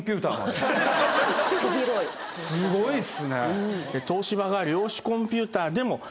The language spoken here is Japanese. すごいっすね！